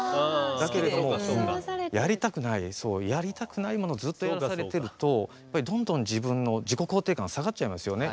だけれども、やりたくないやりたくないものずっとやらされてるとやっぱり、どんどん自分の自己肯定感下がっちゃいますよね。